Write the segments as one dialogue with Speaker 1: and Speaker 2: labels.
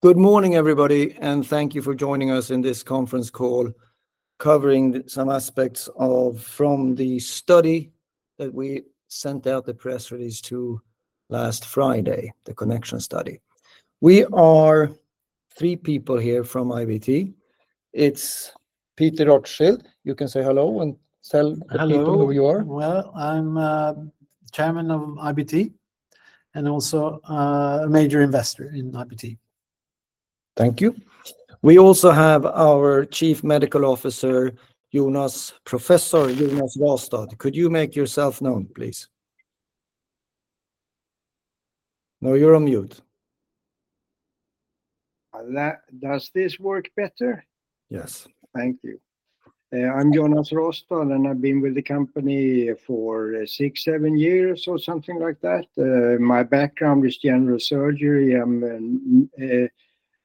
Speaker 1: Good morning, everybody, and thank you for joining us in this conference call covering some aspects of, from the study that we sent out the press release to last Friday, the Connection study. We are three people here from IBT. It's Peter Rothschild. You can say hello and tell the people-
Speaker 2: Hello
Speaker 1: who you are.
Speaker 2: I'm chairman of IBT, and also a major investor in IBT.
Speaker 1: Thank you. We also have our Chief Medical Officer, Jonas, Professor Jonas Rastad. Could you make yourself known, please? Now you're on mute.
Speaker 3: Does this work better?
Speaker 1: Yes.
Speaker 3: Thank you. I'm Jonas Rastad, and I've been with the company for six, seven years or something like that. My background is general surgery. I'm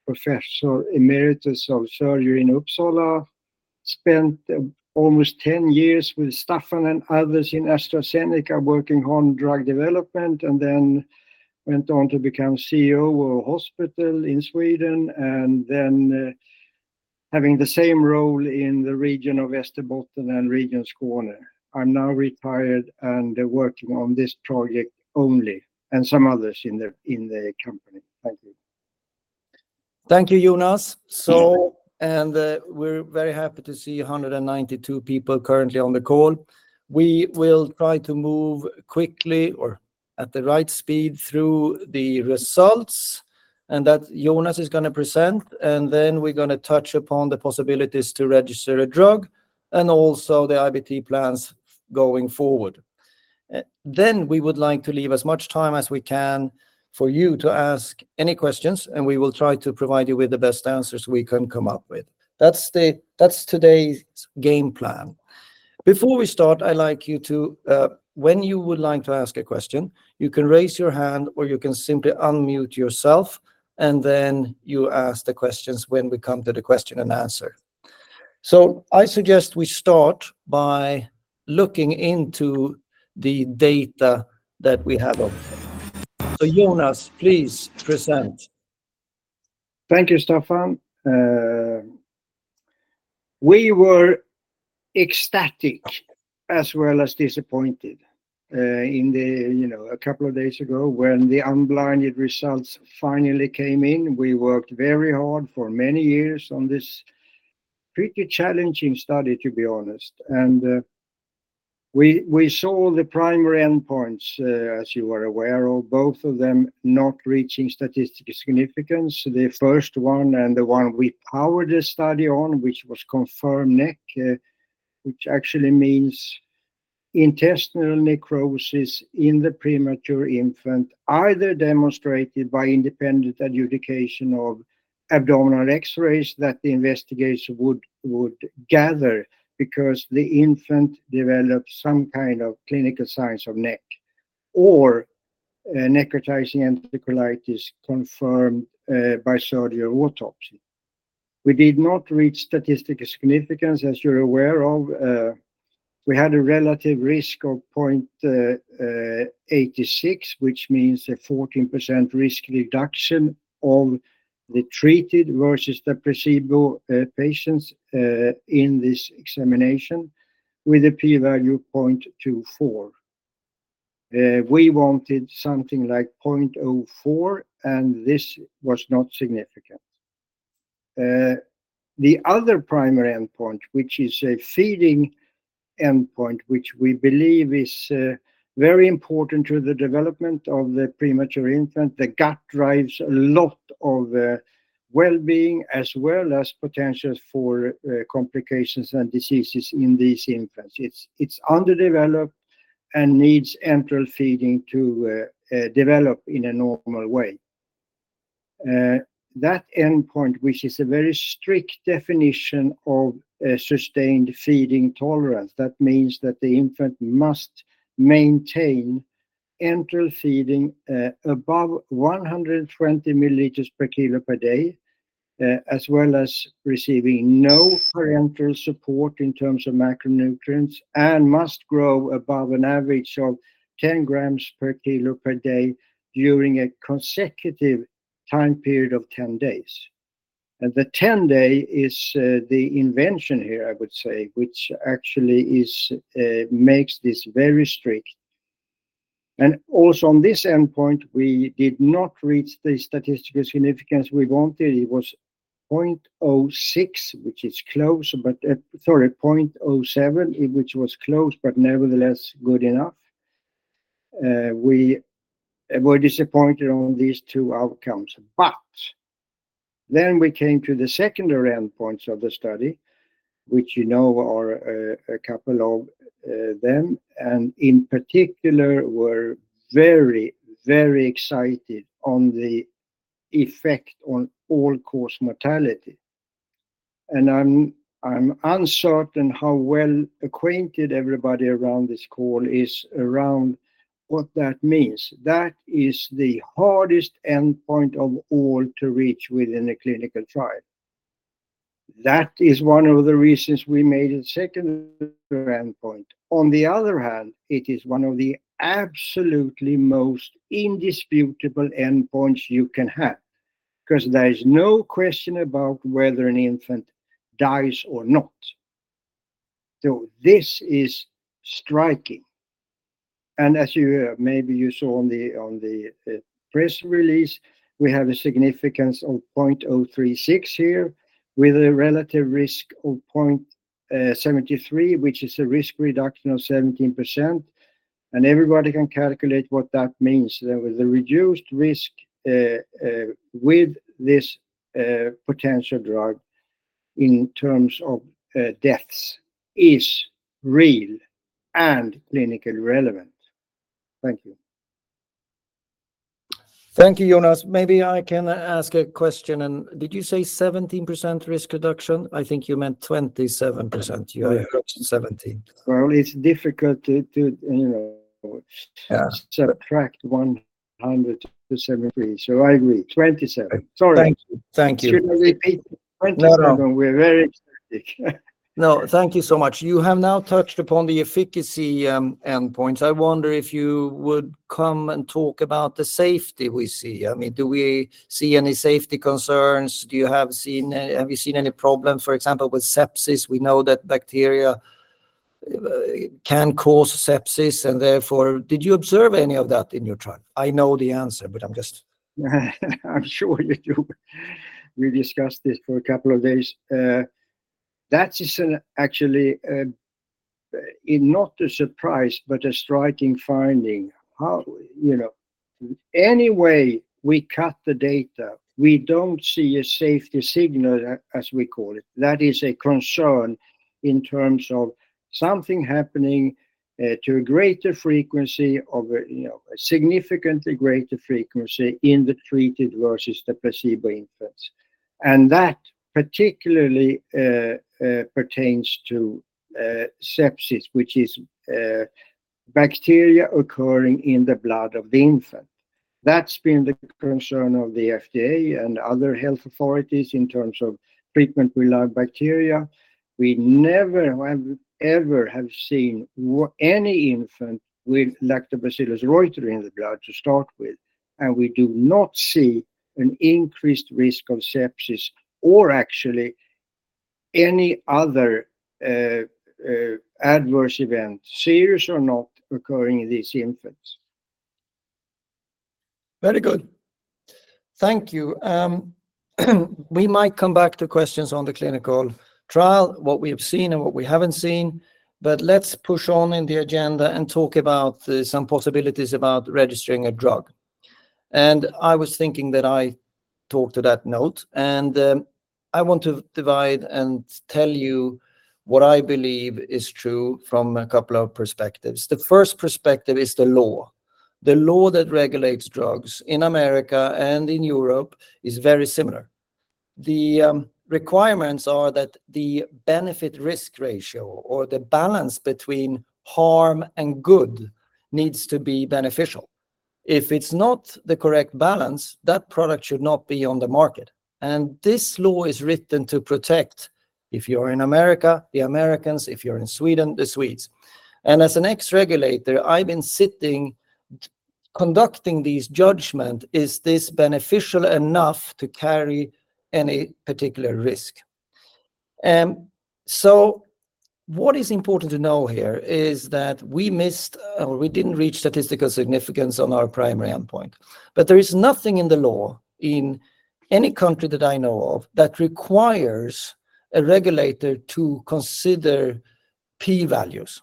Speaker 3: a professor emeritus of surgery in Uppsala. Spent almost 10 years with Staffan and others in AstraZeneca working on drug development, and then went on to become CEO of a hospital in Sweden, and then having the same role in the region of Västerbotten and Region Skåne. I'm now retired and working on this project only, and some others in the company. Thank you.
Speaker 1: Thank you, Jonas. So-
Speaker 3: Thank you.
Speaker 1: We're very happy to see 192 people currently on the call. We will try to move quickly or at the right speed through the results, and that Jonas is gonna present, and then we're gonna touch upon the possibilities to register a drug and also the IBT plans going forward. Then we would like to leave as much time as we can for you to ask any questions, and we will try to provide you with the best answers we can come up with. That's today's game plan. Before we start, I'd like you to. When you would like to ask a question, you can raise your hand, or you can simply unmute yourself, and then you ask the questions when we come to the question and answer. So I suggest we start by looking into the data that we have of. So Jonas, please present.
Speaker 3: Thank you, Staffan. We were ecstatic as well as disappointed, you know, a couple of days ago, when the unblinded results finally came in. We worked very hard for many years on this pretty challenging study, to be honest. We saw the primary endpoints, as you are aware, of both of them not reaching statistical significance. The first one, and the one we powered the study on, which was confirmed NEC, which actually means intestinal necrosis in the premature infant, either demonstrated by independent adjudication of abdominal X-rays that the investigator would gather because the infant developed some kind of clinical signs of NEC or necrotizing enterocolitis confirmed by surgery or autopsy. We did not reach statistical significance, as you're aware of. We had a relative risk of 0.86, which means a 14% risk reduction of the treated versus the placebo patients in this examination, with a p-value of 0.24. We wanted something like 0.04, and this was not significant. The other primary endpoint, which is a feeding endpoint, which we believe is very important to the development of the premature infant. The gut drives a lot of well-being as well as potentials for complications and diseases in these infants. It's underdeveloped and needs enteral feeding to develop in a normal way. That endpoint, which is a very strict definition of sustained feeding tolerance, that means that the infant must maintain enteral feeding above 120 mL per kilo per day, as well as receiving no parenteral support in terms of macronutrients, and must grow above an average of 10 g per kilo per day during a consecutive time period of 10 days. And the 10 day is the invention here, I would say, which actually makes this very strict. And also on this endpoint, we did not reach the statistical significance we wanted. It was 0.06, which is close, but sorry, 0.07, which was close, but nevertheless good enough. We were disappointed on these two outcomes. We came to the secondary endpoints of the study, which, you know, are a couple of them, and in particular, we're very, very excited on the effect on all-cause mortality. I'm uncertain how well acquainted everybody around this call is around what that means. That is the hardest endpoint of all to reach within a clinical trial. That is one of the reasons we made a second endpoint. On the other hand, it is one of the absolutely most indisputable endpoints you can have, 'cause there is no question about whether an infant dies or not. This is striking, and as you maybe saw on the press release, we have a significance of 0.036 here, with a relative risk of 0.73, which is a risk reduction of 17%, and everybody can calculate what that means. There was a reduced risk with this potential drug in terms of deaths is real and clinically relevant. Thank you.
Speaker 1: Thank you, Jonas. Maybe I can ask a question, and did you say 17% risk reduction? I think you meant 27%. You had-
Speaker 3: Oh...
Speaker 1: 17.
Speaker 3: It's difficult to, you know-
Speaker 1: Yeah...
Speaker 3: subtract 100 to 73, so I agree, 27. Sorry.
Speaker 1: Thank you. Thank you.
Speaker 3: Should I repeat?
Speaker 1: No, no.
Speaker 3: We're very excited.
Speaker 1: No, thank you so much. You have now touched upon the efficacy, endpoints. I wonder if you would come and talk about the safety we see. I mean, do we see any safety concerns? Have you seen any problems, for example, with sepsis? We know that bacteria can cause sepsis, and therefore, did you observe any of that in your trial? I know the answer, but I'm just-
Speaker 3: I'm sure you do. We discussed this for a couple of days. That is actually not a surprise, but a striking finding. However, you know, any way we cut the data, we don't see a safety signal, as we call it. That is a concern in terms of something happening to a greater frequency, you know, a significantly greater frequency in the treated versus the placebo infants. And that particularly pertains to sepsis, which is bacteria occurring in the blood of the infant. That's been the concern of the FDA and other health authorities in terms of treatment with live bacteria. We never have ever seen any infant with Lactobacillus reuteri in the blood to start with, and we do not see an increased risk of sepsis or actually any other adverse event, serious or not, occurring in these infants.
Speaker 1: Very good. Thank you. We might come back to questions on the clinical trial, what we have seen and what we haven't seen, but let's push on in the agenda and talk about some possibilities about registering a drug, and I was thinking that I tackle that now, and I want to dive in and tell you what I believe is true from a couple of perspectives. The first perspective is the law. The law that regulates drugs in America and in Europe is very similar. The requirements are that the benefit-risk ratio or the balance between harm and good needs to be beneficial. If it's not the correct balance, that product should not be on the market, and this law is written to protect, if you're in America, the Americans, if you're in Sweden, the Swedes. As an ex-regulator, I've been sitting, conducting this judgment, is this beneficial enough to carry any particular risk? So what is important to know here is that we missed, or we didn't reach statistical significance on our primary endpoint, but there is nothing in the law in any country that I know of, that requires a regulator to consider p-values,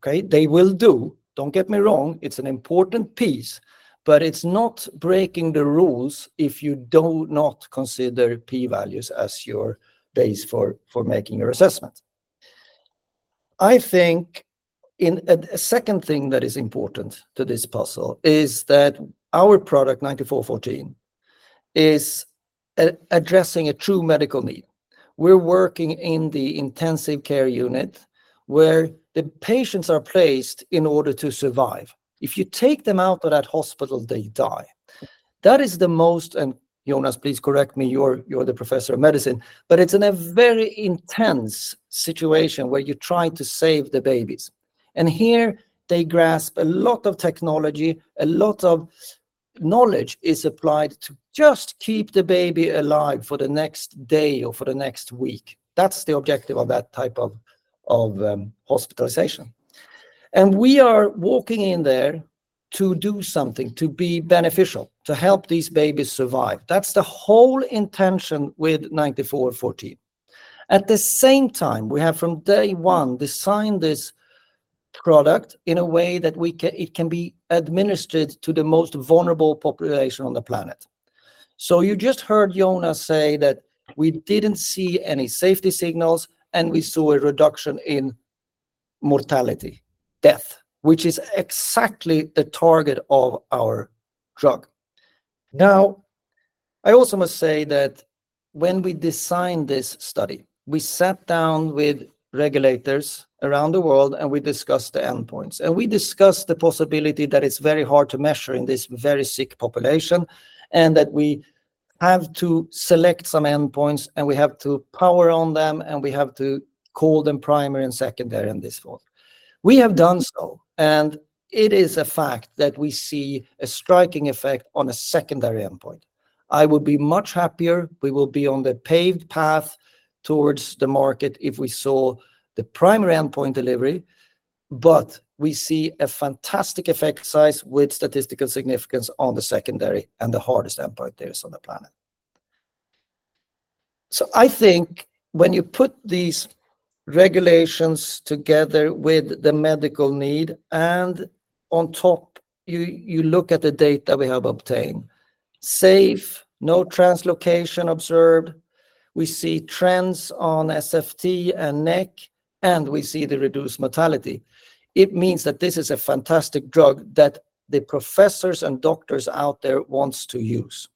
Speaker 1: okay? They will do, don't get me wrong, it's an important piece, but it's not breaking the rules if you do not consider p-values as your base for making your assessment. I think a second thing that is important to this puzzle is that our product, 9414, is addressing a true medical need. We're working in the intensive care unit, where the patients are placed in order to survive. If you take them out of that hospital, they die. That is the most, and Jonas, please correct me, you're the professor of medicine, but it's in a very intense situation, where you're trying to save the babies. And here, they grasp a lot of technology, a lot of knowledge is applied to just keep the baby alive for the next day or for the next week. That's the objective of that type of hospitalization. And we are walking in there to do something, to be beneficial, to help these babies survive. That's the whole intention with 9414. At the same time, we have, from day one, designed this product in a way that we can- it can be administered to the most vulnerable population on the planet. So you just heard Jonas say that we didn't see any safety signals, and we saw a reduction in mortality, death, which is exactly the target of our drug. Now, I also must say that when we designed this study, we sat down with regulators around the world, and we discussed the endpoints. And we discussed the possibility that it's very hard to measure in this very sick population, and that we have to select some endpoints, and we have to power on them, and we have to call them primary and secondary in this form. We have done so, and it is a fact that we see a striking effect on a secondary endpoint. I will be much happier, we will be on the paved path towards the market if we saw the primary endpoint delivery, but we see a fantastic effect size with statistical significance on the secondary and the hardest endpoint there is on the planet. So I think when you put these regulations together with the medical need, and on top, you look at the data we have obtained, safety, no translocation observed, we see trends on SFT and NEC, and we see the reduced mortality. It means that this is a fantastic drug that the professors and doctors out there wants to use.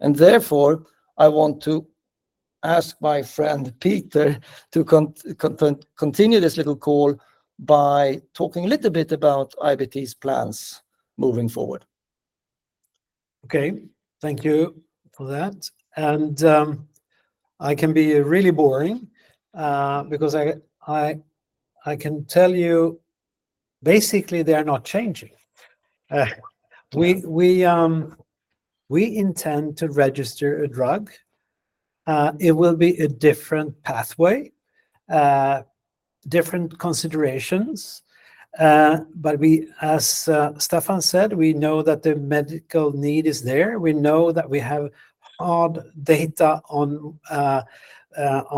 Speaker 1: And therefore, I want to ask my friend, Peter, to continue this little call by talking a little bit about IBT's plans moving forward.
Speaker 2: Okay, thank you for that. And I can be really boring, because I can tell you basically they are not changing. We intend to register a drug. It will be a different pathway, different considerations, but we, as Staffan said, we know that the medical need is there. We know that we have hard data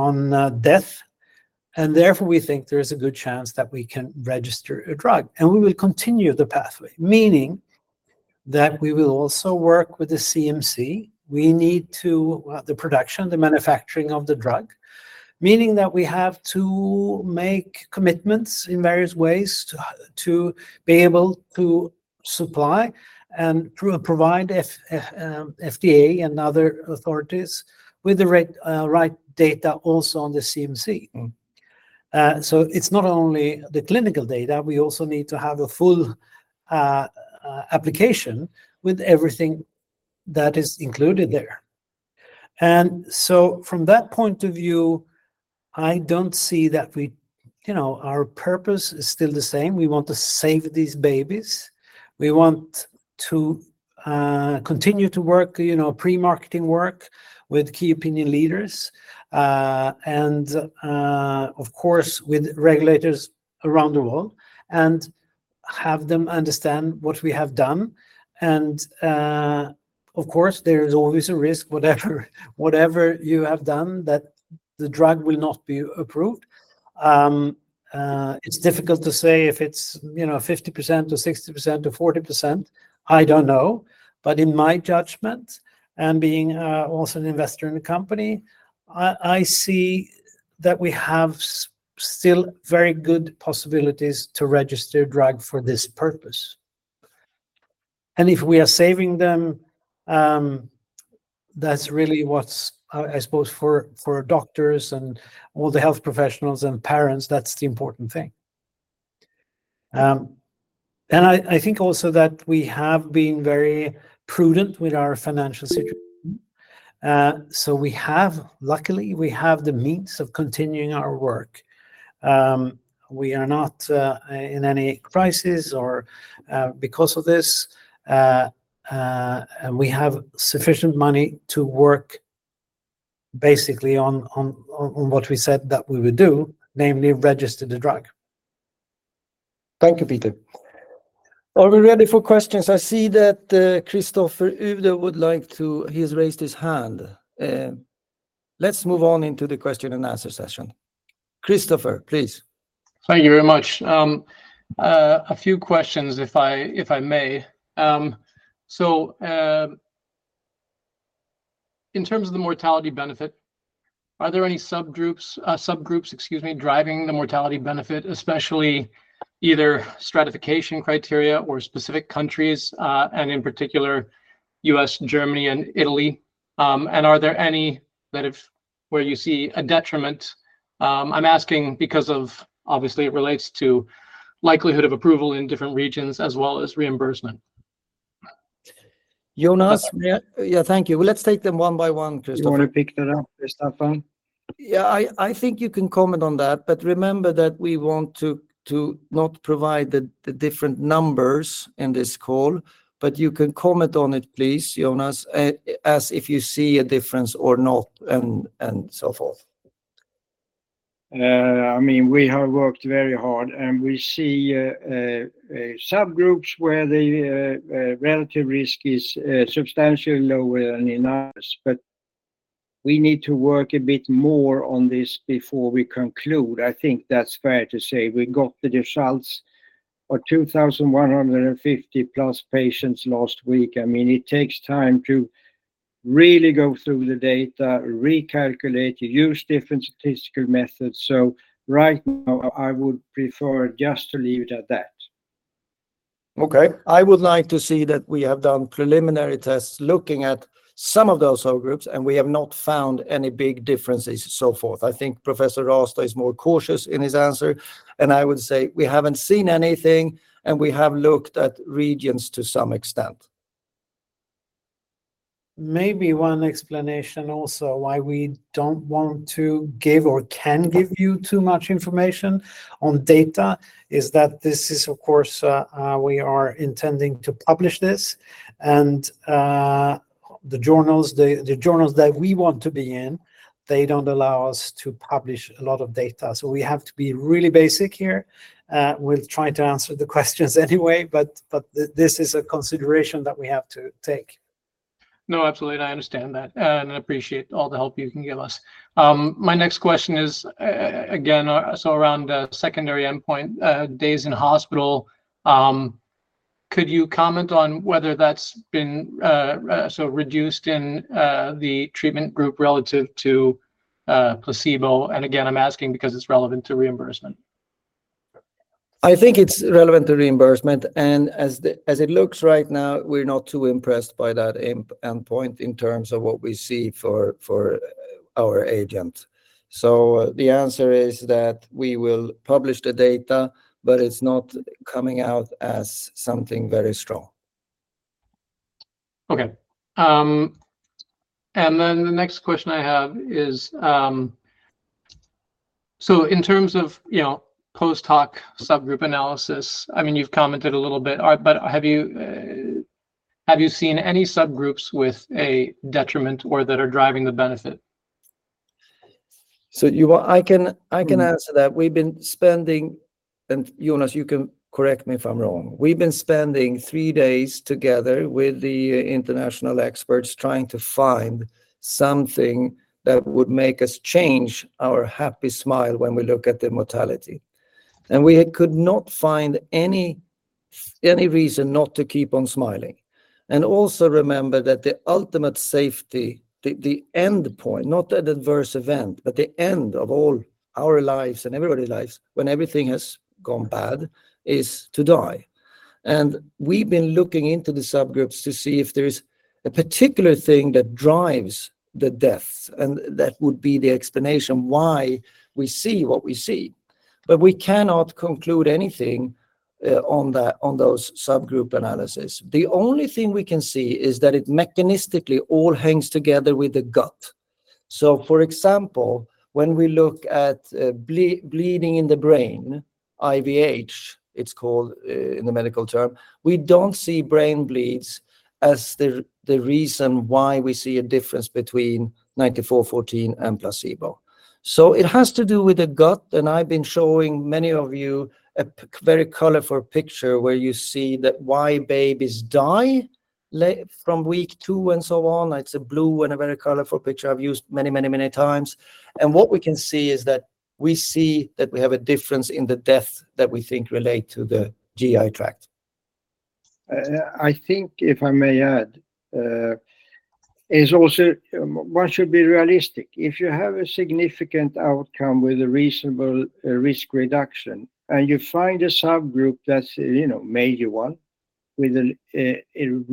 Speaker 2: on death, and therefore, we think there is a good chance that we can register a drug, and we will continue the pathway. Meaning that we will also work with the CMC. We need to, the production, the manufacturing of the drug, meaning that we have to make commitments in various ways to be able to supply and provide FDA and other authorities with the right data also on the CMC.
Speaker 1: Mm.
Speaker 2: So it's not only the clinical data, we also need to have a full application with everything that is included there. And so from that point of view, I don't see that we... You know, our purpose is still the same. We want to save these babies. We want to continue to work, you know, pre-marketing work with key opinion leaders, and of course, with regulators around the world, and have them understand what we have done. And of course, there is always a risk, whatever you have done, that the drug will not be approved. It's difficult to say if it's, you know, 50% or 60% or 40%, I don't know. But in my judgment, and being also an investor in the company, I see that we have still very good possibilities to register a drug for this purpose, and if we are saving them, that's really what's, I suppose, for doctors and all the health professionals and parents; that's the important thing, and I think also that we have been very prudent with our financial situation, so we have luckily the means of continuing our work. We are not in any crisis and we have sufficient money to work basically on what we said that we would do, namely register the drug.
Speaker 1: Thank you, Peter. Are we ready for questions? I see that Christopher Uhde would like to. He has raised his hand. Let's move on into the question and answer session. Christopher, please.
Speaker 4: Thank you very much. A few questions if I may. In terms of the mortality benefit, are there any subgroups, excuse me, driving the mortality benefit, especially either stratification criteria or specific countries, and in particular, US, Germany, and Italy? And are there any where you see a detriment? I'm asking because of, obviously, it relates to likelihood of approval in different regions as well as reimbursement.
Speaker 2: Jonas?
Speaker 1: Yeah, yeah, thank you. Let's take them one by one, Christopher.
Speaker 3: You want to pick that up, Staffan?
Speaker 1: Yeah, I think you can comment on that, but remember that we want to not provide the different numbers in this call. But you can comment on it, please, Jonas, as if you see a difference or not, and so forth.
Speaker 3: I mean, we have worked very hard, and we see subgroups where the relative risk is substantially lower than in the U.S., but we need to work a bit more on this before we conclude. I think that's fair to say. We got the results for 2,150+ patients last week. I mean, it takes time to really go through the data, recalculate, use different statistical methods. So right now, I would prefer just to leave it at that.
Speaker 1: Okay. I would like to say that we have done preliminary tests looking at some of those whole groups, and we have not found any big differences, so forth. I think Professor Åstrand is more cautious in his answer, and I would say we haven't seen anything, and we have looked at regions to some extent....
Speaker 2: maybe one explanation also why we don't want to give or can give you too much information on data, is that this is, of course, we are intending to publish this. And, the journals that we want to be in, they don't allow us to publish a lot of data. So we have to be really basic here. We'll try to answer the questions anyway, but this is a consideration that we have to take.
Speaker 4: No, absolutely, I understand that, and I appreciate all the help you can give us. My next question is, again, so around secondary endpoint, days in hospital. Could you comment on whether that's been so reduced in the treatment group relative to placebo? And again, I'm asking because it's relevant to reimbursement.
Speaker 1: I think it's relevant to reimbursement, and as it looks right now, we're not too impressed by that endpoint in terms of what we see for our agent. So the answer is that we will publish the data, but it's not coming out as something very strong.
Speaker 4: Okay, and then the next question I have is, so in terms of, you know, post-hoc subgroup analysis, I mean, you've commented a little bit, but have you seen any subgroups with a detriment or that are driving the benefit?
Speaker 1: I can, I can answer that. We've been spending, and Jonas, you can correct me if I'm wrong, we've been spending three days together with the international experts trying to find something that would make us change our happy smile when we look at the mortality. And we could not find any, any reason not to keep on smiling. And also remember that the ultimate safety, the endpoint, not an adverse event, but the end of all our lives and everybody lives, when everything has gone bad, is to die. And we've been looking into the subgroups to see if there's a particular thing that drives the death, and that would be the explanation why we see what we see. But we cannot conclude anything on that, on those subgroup analysis. The only thing we can see is that it mechanistically all hangs together with the gut. So, for example, when we look at bleeding in the brain, IVH, it's called, in the medical term, we don't see brain bleeds as the reason why we see a difference between 9414 and placebo. So it has to do with the gut, and I've been showing many of you a very colorful picture where you see that why babies die from week two and so on. It's a blue and a very colorful picture I've used many, many, many times. And what we can see is that we see that we have a difference in the death that we think relate to the GI tract.
Speaker 3: I think, if I may add, one should also be realistic. If you have a significant outcome with a reasonable risk reduction, and you find a subgroup that's, you know, major one with a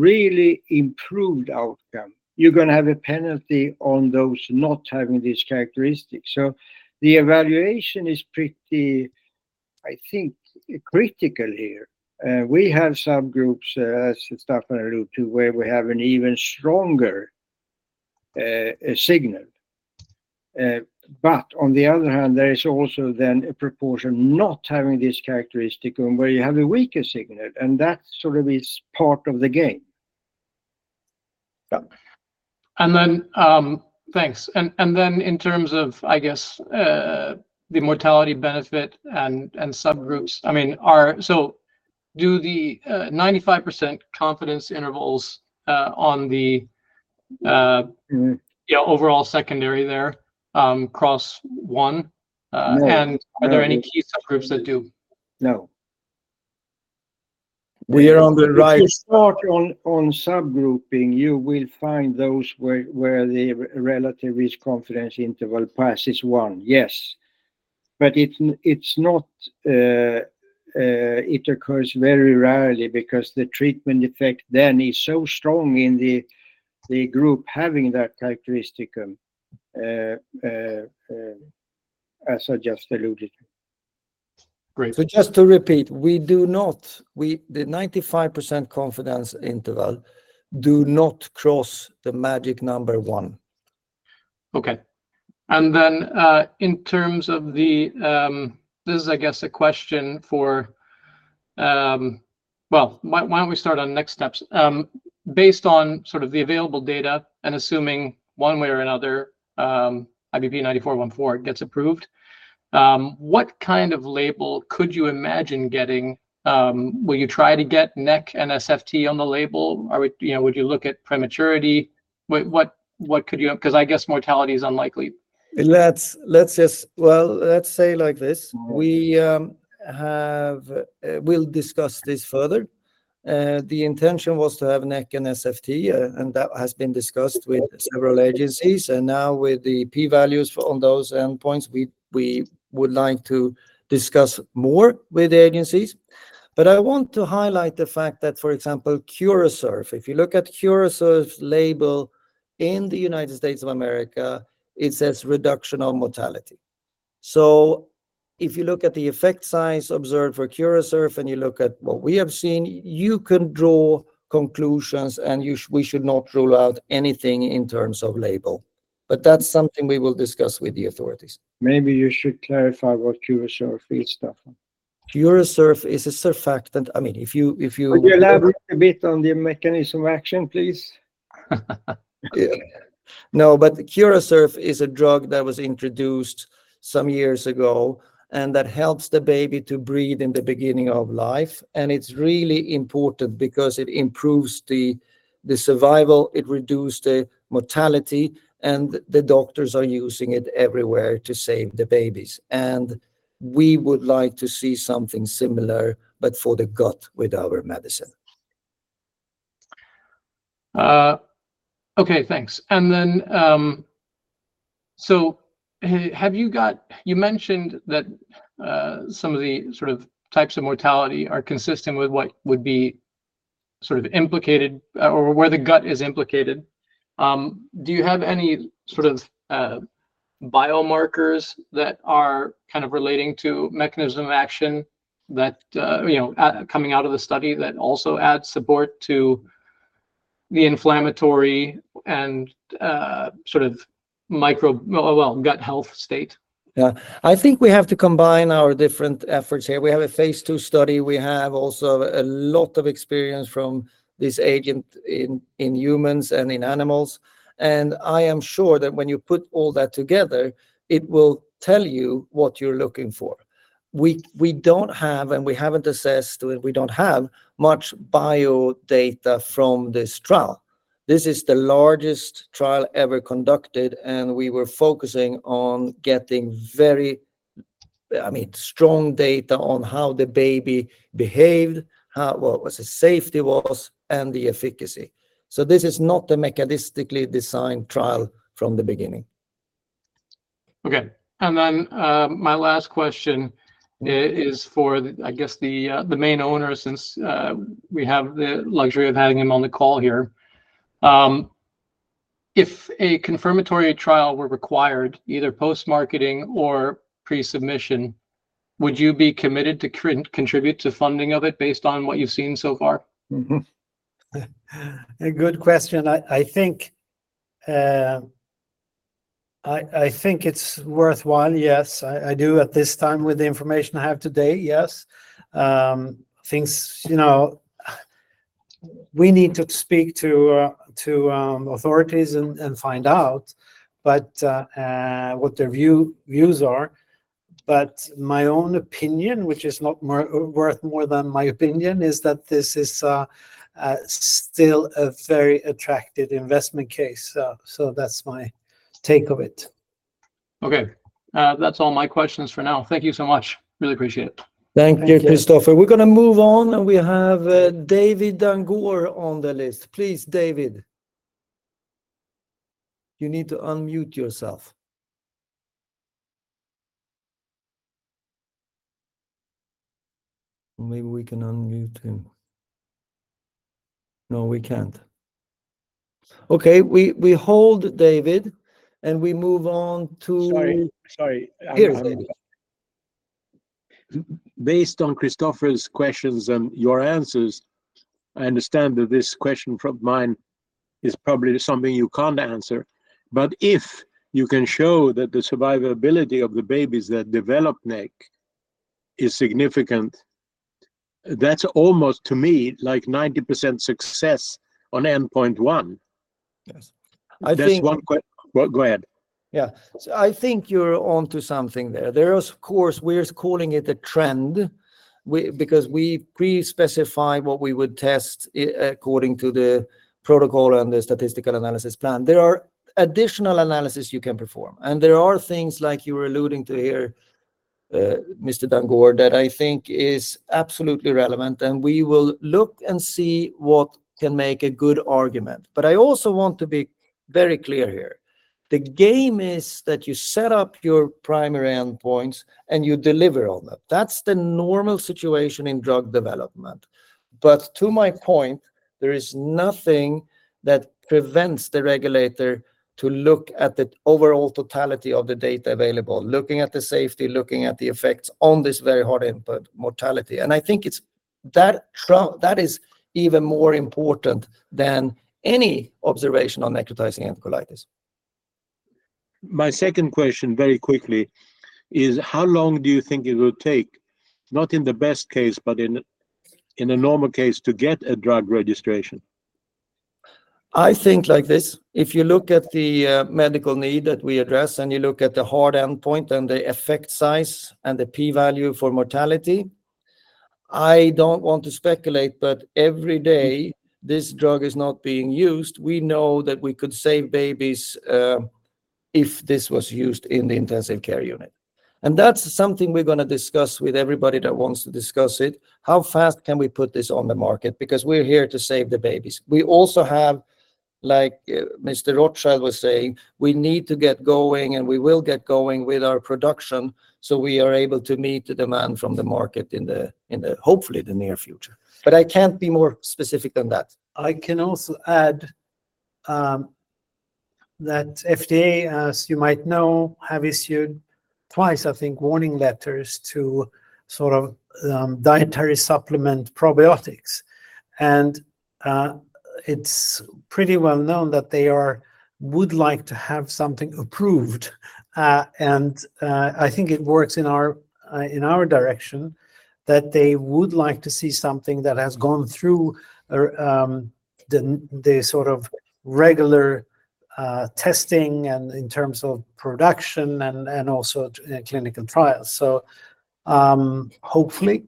Speaker 3: really improved outcome, you're gonna have a penalty on those not having this characteristic. So the evaluation is pretty, I think, critical here. We have subgroups, as Staffan alluded to, where we have an even stronger signal. But on the other hand, there is also then a proportion not having this characteristic and where you have a weaker signal, and that sort of is part of the game. Yeah.
Speaker 4: And then, thanks. And then in terms of, I guess, the mortality benefit and subgroups, I mean, do the 95% confidence intervals on the
Speaker 3: Mm...
Speaker 4: yeah, overall secondary there, cross one?
Speaker 3: No.
Speaker 4: Are there any key subgroups that do?
Speaker 1: No. We are on the right-
Speaker 3: If you start on subgrouping, you will find those where the relative risk confidence interval passes one. Yes, but it's not, it occurs very rarely because the treatment effect then is so strong in the group having that characteristic, as I just alluded.
Speaker 4: Great.
Speaker 1: So just to repeat, the 95% confidence interval do not cross the magic number one.
Speaker 4: Okay. And then, in terms of the, this is, I guess, a question for... Well, why don't we start on next steps? Based on sort of the available data and assuming one way or another, IBP-9414 gets approved, what kind of label could you imagine getting? Will you try to get NEC and SFT on the label? Or would, you know, would you look at prematurity? What could you... 'Cause I guess mortality is unlikely.
Speaker 1: Let's just, well, let's say like this: We have, we'll discuss this further. The intention was to have NEC and SFT, and that has been discussed with several agencies. And now with the p-values for on those endpoints, we would like to discuss more with the agencies. But I want to highlight the fact that, for example, Curosurf, if you look at Curosurf's label in the United States of America, it says reduction of mortality. So if you look at the effect size observed for Curosurf, and you look at what we have seen, you can draw conclusions, and we should not rule out anything in terms of label. But that's something we will discuss with the authorities.
Speaker 2: Maybe you should clarify what Curosurf is, Staffan.
Speaker 1: Curosurf is a surfactant. I mean, if you-
Speaker 2: Could you elaborate a bit on the mechanism of action, please?
Speaker 1: Yeah. No, but Curosurf is a drug that was introduced some years ago, and that helps the baby to breathe in the beginning of life. And it's really important because it improves the survival, it reduced the mortality, and the doctors are using it everywhere to save the babies. And we would like to see something similar, but for the gut with our medicine.
Speaker 4: Okay, thanks. You mentioned that some of the sort of types of mortality are consistent with what would be sort of implicated, or where the gut is implicated. Do you have any sort of biomarkers that are kind of relating to mechanism of action that you know coming out of the study that also adds support to the inflammatory and sort of, well, gut health state?
Speaker 1: Yeah. I think we have to combine our different efforts here. We have a phase two study. We have also a lot of experience from this agent in humans and in animals, and I am sure that when you put all that together, it will tell you what you're looking for. We don't have, and we haven't assessed, and we don't have much bio data from this trial. This is the largest trial ever conducted, and we were focusing on getting very, I mean, strong data on how the baby behaved, how what was the safety was, and the efficacy. So this is not a mechanistically designed trial from the beginning.
Speaker 4: Okay. And then, my last question is for the, I guess, the main owner, since we have the luxury of having him on the call here. If a confirmatory trial were required, either post-marketing or pre-submission, would you be committed to contribute to funding of it based on what you've seen so far?
Speaker 2: Mm-hmm. A good question. I think it's worthwhile, yes. I do at this time with the information I have today, yes. Things, you know, we need to speak to authorities and find out, but what their views are. But my own opinion, which is not worth more than my opinion, is that this is still a very attractive investment case. So that's my take of it.
Speaker 4: Okay. That's all my questions for now. Thank you so much. Really appreciate it.
Speaker 1: Thank you, Christopher.
Speaker 2: Thank you.
Speaker 1: We're gonna move on, and we have David Dangour on the list. Please, David. You need to unmute yourself. Maybe we can unmute him. No, we can't. Okay, we hold David, and we move on to-
Speaker 5: Sorry, sorry.
Speaker 1: Here, David.
Speaker 5: Based on Christopher's questions and your answers, I understand that this question from mine is probably something you can't answer. But if you can show that the survivability of the babies that develop NEC is significant, that's almost, to me, like 90% success on endpoint one.
Speaker 1: Yes. I think.
Speaker 5: That's one question. Go ahead.
Speaker 1: Yeah. I think you're onto something there. There is, of course, we're calling it a trend, because we pre-specified what we would test according to the protocol and the statistical analysis plan. There are additional analysis you can perform, and there are things like you were alluding to here, Mr. Dangour, that I think is absolutely relevant, and we will look and see what can make a good argument. But I also want to be very clear here. The game is that you set up your primary endpoints, and you deliver on them. That's the normal situation in drug development. But to my point, there is nothing that prevents the regulator to look at the overall totality of the data available, looking at the safety, looking at the effects on this very hard input, mortality. I think it's that that is even more important than any observation on necrotizing enterocolitis.
Speaker 5: My second question, very quickly, is how long do you think it will take, not in the best case, but in a normal case, to get a drug registration?
Speaker 1: I think like this: if you look at the medical need that we address, and you look at the hard endpoint and the effect size and the P value for mortality, I don't want to speculate, but every day this drug is not being used, we know that we could save babies, if this was used in the intensive care unit. And that's something we're gonna discuss with everybody that wants to discuss it. How fast can we put this on the market? Because we're here to save the babies. We also have, like, Mr. Rothschild was saying, we need to get going, and we will get going with our production, so we are able to meet the demand from the market in the, hopefully, the near future. But I can't be more specific than that.
Speaker 2: I can also add that FDA, as you might know, have issued twice, I think, warning letters to sort of dietary supplement probiotics. It's pretty well known that they would like to have something approved. I think it works in our direction, that they would like to see something that has gone through the sort of regular testing and in terms of production and also clinical trials, so hopefully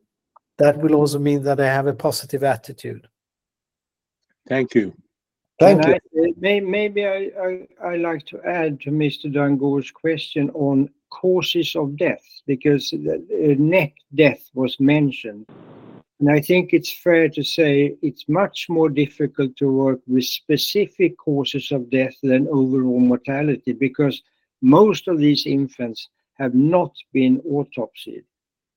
Speaker 2: that will also mean that they have a positive attitude.
Speaker 1: Thank you. Thank you.
Speaker 3: Maybe I'd like to add to Mr. Dangour's question on causes of death, because the NEC death was mentioned.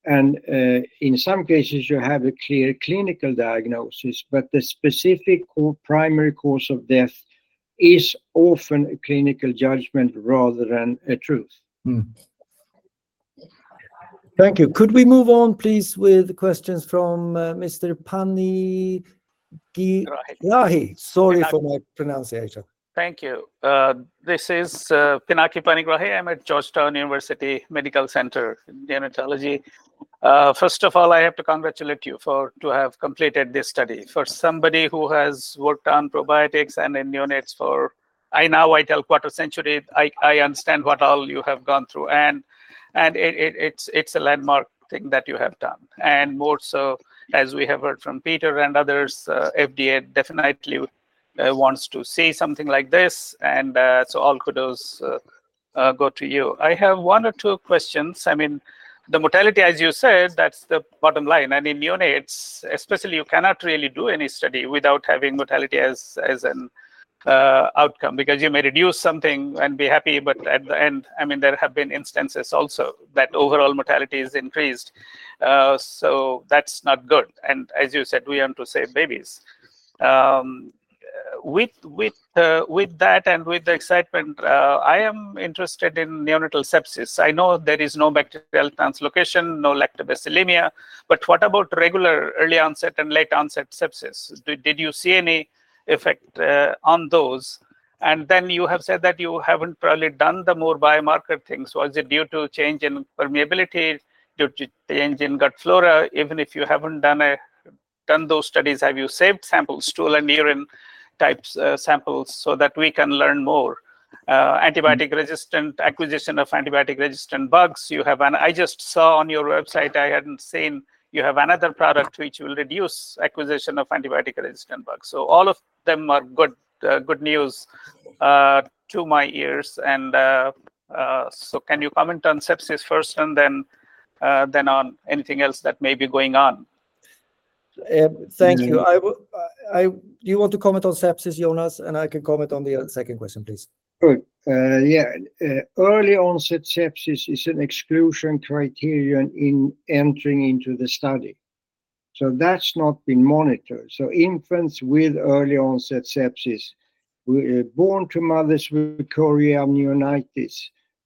Speaker 3: In some cases, you have a clear clinical diagnosis, but the specific or primary cause of death is often a clinical judgment rather than a truth.
Speaker 2: Thank you. Could we move on, please, with questions from Mr. Panigrahi?
Speaker 6: Grahi.
Speaker 2: Sorry for my pronunciation.
Speaker 6: Thank you. This is Pinaki Panigrahi. I'm at Georgetown University Medical Center in Dermatology. First of all, I have to congratulate you for to have completed this study. For somebody who has worked on probiotics and in neonates for, I don't know, a quarter century, I understand what all you have gone through, and it, it's a landmark thing that you have done. And more so, as we have heard from Peter and others, FDA definitely wants to see something like this, and so all kudos go to you. I have one or two questions. I mean, the mortality, as you said, that's the bottom line, and in neonates, especially, you cannot really do any study without having mortality as an outcome, because you may reduce something and be happy, but at the end, I mean, there have been instances also that overall mortality is increased. So that's not good, and as you said, we want to save babies. With that and with the excitement, I am interested in neonatal sepsis. I know there is no bacterial translocation, no lactobacillemia, but what about regular early-onset and late-onset sepsis? Did you see any effect on those? And then you have said that you haven't probably done the more biomarker things, so is it due to change in permeability, due to change in gut flora? Even if you haven't done those studies, have you saved samples, stool and urine types, samples, so that we can learn more? Antibiotic resistant acquisition of antibiotic-resistant bugs, you have an... I just saw on your website, I hadn't seen, you have another product which will reduce acquisition of antibiotic-resistant bugs. So all of them are good, good news to my ears, and so can you comment on sepsis first, and then on anything else that may be going on?
Speaker 2: Thank you. I will. Do you want to comment on sepsis, Jonas? And I can comment on the second question, please.
Speaker 3: Good. Yeah, early-onset sepsis is an exclusion criterion in entering into the study, so that's not been monitored. So infants with early-onset sepsis, born to mothers with chorioamnionitis,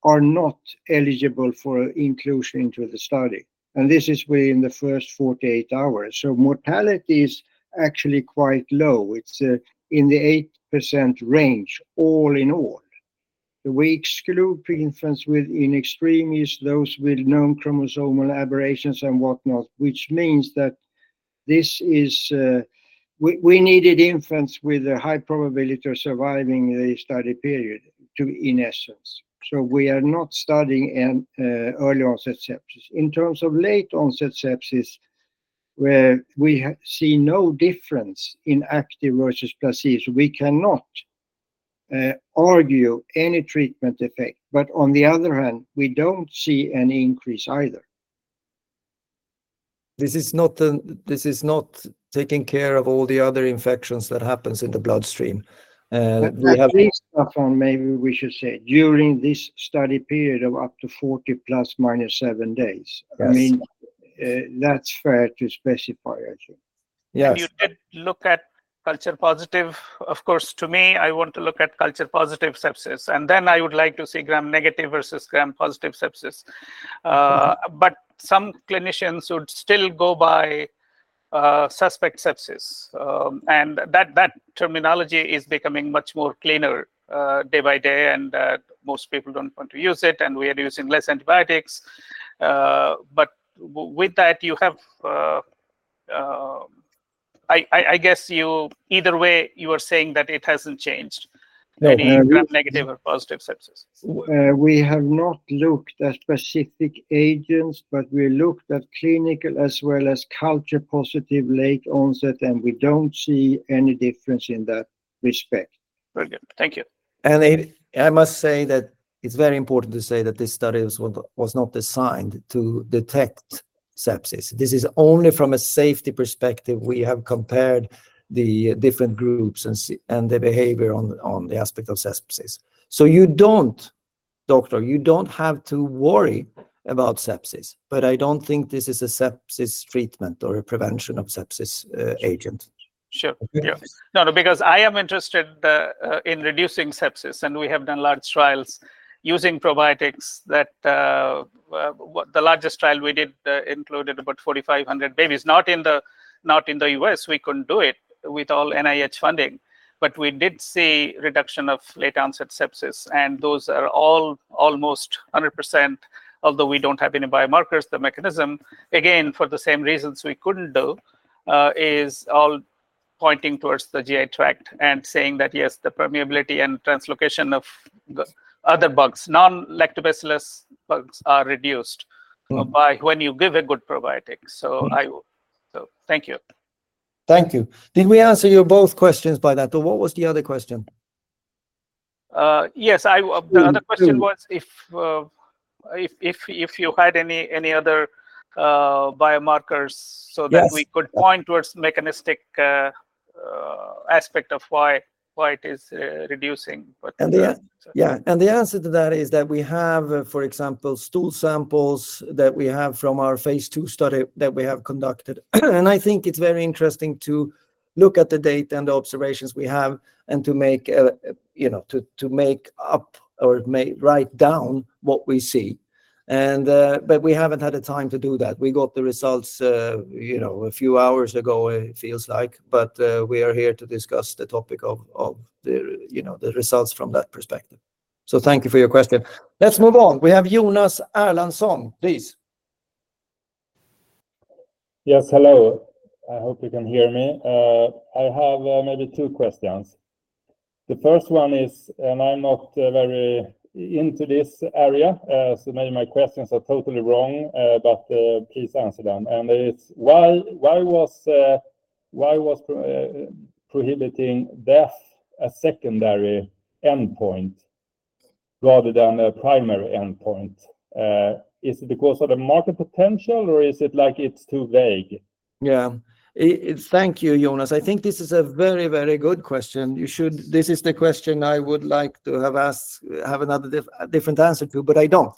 Speaker 3: are not eligible for inclusion into the study, and this is within the first 48 hours. So mortality is actually quite low. It's in the 8% range, all in all. We exclude infants with in extremis, those with known chromosomal aberrations and whatnot, which means that this is. We needed infants with a high probability of surviving the study period, to in essence. So we are not studying an early-onset sepsis. In terms of late-onset sepsis, where we see no difference in active versus placebo, we cannot argue any treatment effect, but on the other hand, we don't see any increase either.
Speaker 1: This is not taking care of all the other infections that happens in the bloodstream. We have-
Speaker 3: At least, Staffan, maybe we should say, during this study period of up to 40± 7 days.
Speaker 1: Yes.
Speaker 3: I mean, that's fair to specify, I think.
Speaker 1: Yes.
Speaker 6: You did look at culture positive. Of course, to me, I want to look at culture positive sepsis, and then I would like to see gram-negative versus gram-positive sepsis. But some clinicians would still go by suspect sepsis, and that terminology is becoming much more cleaner day by day, and most people don't want to use it, and we are using less antibiotics. But with that, either way, you are saying that it hasn't changed.
Speaker 3: No...
Speaker 6: any gram-negative or positive sepsis.
Speaker 3: We have not looked at specific agents, but we looked at clinical as well as culture positive late-onset, and we don't see any difference in that respect.
Speaker 6: Very good. Thank you.
Speaker 1: I must say that it's very important to say that this study was not designed to detect sepsis. This is only from a safety perspective, we have compared the different groups and see, and the behavior on the aspect of sepsis. So you don't, doctor, you don't have to worry about sepsis, but I don't think this is a sepsis treatment or a prevention of sepsis agent.
Speaker 6: Sure. Yeah. No, no, because I am interested in reducing sepsis, and we have done large trials using probiotics that, the largest trial we did, included about 4,500 babies. Not in the US, we couldn't do it with all NIH funding, but we did see reduction of late-onset sepsis, and those are all almost 100%, although we don't have any biomarkers, the mechanism, again, for the same reasons we couldn't do, is all pointing towards the GI tract and saying that, yes, the permeability and translocation of the other bugs, non-Lactobacillus bugs, are reduced-
Speaker 1: Mm-hmm
Speaker 6: -by when you give a good probiotic. So thank you.
Speaker 1: Thank you. Did we answer both your questions by that, or what was the other question?
Speaker 6: Yes, I-
Speaker 1: Mm-hmm.
Speaker 6: The other question was if you had any other biomarkers-
Speaker 1: Yes...
Speaker 6: so that we could point towards mechanistic aspect of why it is reducing, but,
Speaker 1: The answer to that is that we have, for example, stool samples that we have from our phase two study that we have conducted. I think it's very interesting to look at the data and the observations we have and to make, you know, to write down what we see, but we haven't had the time to do that. We got the results, you know, a few hours ago, it feels like, but we are here to discuss the topic of, you know, the results from that perspective. So thank you for your question. Let's move on. We have Jonas Erlandsson. Please.
Speaker 7: Yes, hello. I hope you can hear me. I have maybe two questions. The first one is, and I'm not very into this area, so maybe my questions are totally wrong, but please answer them, and it's, why was mortality a secondary endpoint rather than a primary endpoint? Is it because of the market potential, or is it like it's too vague?
Speaker 1: Yeah. Thank you, Jonas. I think this is a very, very good question. This is the question I would like to have asked, have another different answer to, but I don't.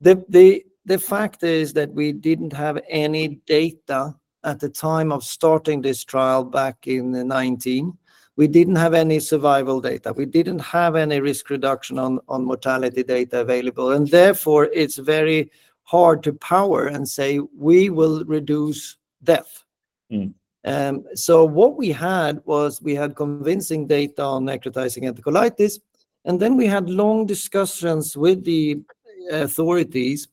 Speaker 1: The fact is that we didn't have any data at the time of starting this trial back in 2019. We didn't have any survival data. We didn't have any risk reduction on mortality data available, and therefore, it's very hard to power and say, "We will reduce death. Mm. So what we had was we had convincing data on necrotizing enterocolitis, and then we had long discussions with the authorities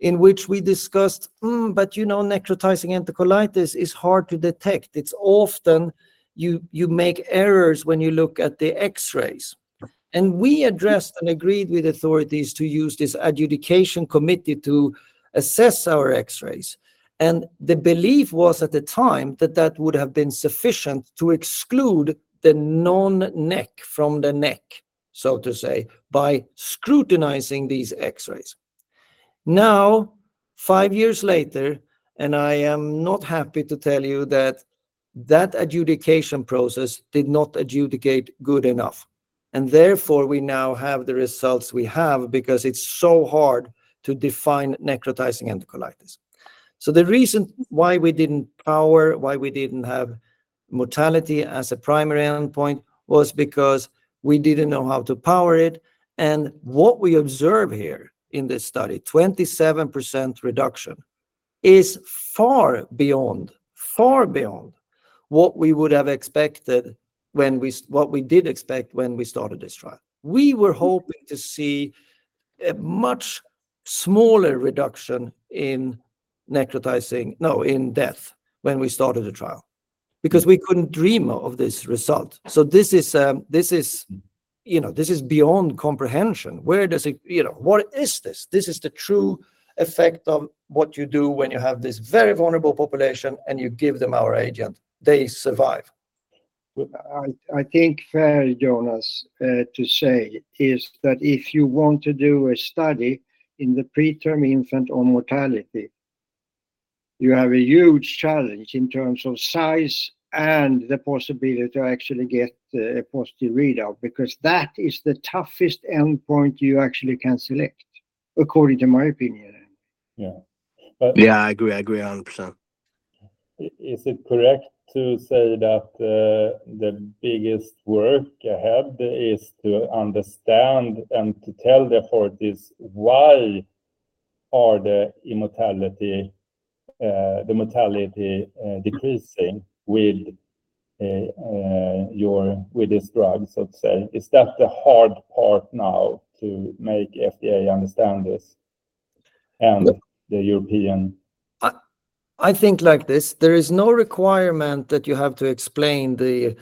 Speaker 1: in which we discussed, "Hmm, but, you know, necrotizing enterocolitis is hard to detect. It's often you make errors when you look at the X-rays." And we addressed and agreed with authorities to use this adjudication committee to assess our X-rays, and the belief was, at the time, that that would have been sufficient to exclude the non-NEC from the NEC, so to say, by scrutinizing these X-rays. Now, five years later, and I am not happy to tell you that that adjudication process did not adjudicate good enough, and therefore, we now have the results we have because it's so hard to define necrotizing enterocolitis. So the reason why we didn't power, why we didn't have mortality as a primary endpoint, was because we didn't know how to power it, and what we observe here in this study, 27% reduction, is far beyond, far beyond what we would have expected when we what we did expect when we started this trial. We were hoping to see a much smaller reduction in necrotizing, no, in death, when we started the trial. Because we couldn't dream of this result, so this is, this is, you know, this is beyond comprehension. Where does it... You know, what is this? This is the true effect of what you do when you have this very vulnerable population and you give them our agent. They survive.
Speaker 3: I think it's fair, Jonas, to say that if you want to do a study in the preterm infant on mortality, you have a huge challenge in terms of size and the possibility to actually get a positive readout, because that is the toughest endpoint you actually can select, according to my opinion.
Speaker 7: Yeah. But-
Speaker 1: Yeah, I agree. I agree 100%.
Speaker 7: Is it correct to say that the biggest work ahead is to understand and to tell the authorities why the mortality is decreasing with this drug, so to say? Is that the hard part now, to make FDA understand this, and-
Speaker 1: Yeah...
Speaker 7: the European?
Speaker 1: I think like this. There is no requirement that you have to explain the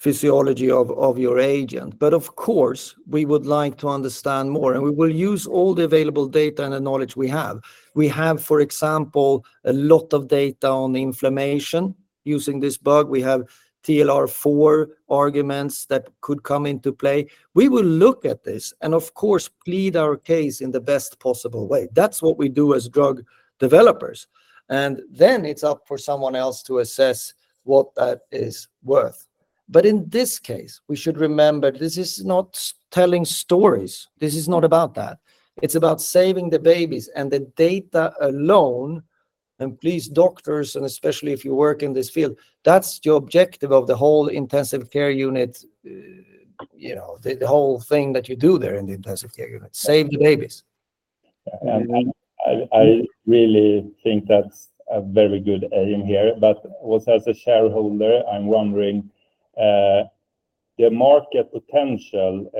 Speaker 1: physiology of your agent, but of course, we would like to understand more, and we will use all the available data and the knowledge we have. We have, for example, a lot of data on inflammation using this bug. We have TLR4 arguments that could come into play. We will look at this and, of course, plead our case in the best possible way. That's what we do as drug developers, and then it's up for someone else to assess what that is worth.... But in this case, we should remember this is not telling stories. This is not about that. It's about saving the babies, and the data alone, and please, doctors, and especially if you work in this field, that's the objective of the whole intensive care unit. You know, the whole thing that you do there in the intensive care unit, save the babies.
Speaker 7: Yeah, I really think that's a very good aim here. But also as a shareholder, I'm wondering, the market potential,